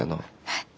はい。